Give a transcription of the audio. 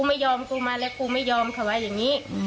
เข้ากลุ่มไว้อีกใกล่กว่าเกาหลง